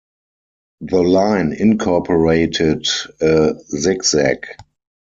The line incorporated a zig zag.